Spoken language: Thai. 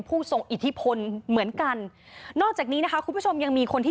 ผู้ทรงอิทธิพลเหมือนกันนอกจากนี้นะคะคุณผู้ชมยังมีคนที่